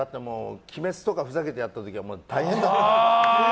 「鬼滅」とかふざけてやった時は大変だった。